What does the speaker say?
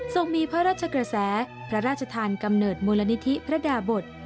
ส่งมีพระราชกระแสพระราชทานกำเนิดมูลนิธิพระดาบท